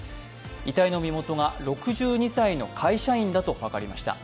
遺体の身元が６２歳の会社員だと分かりました。